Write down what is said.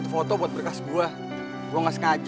gue disini gita banget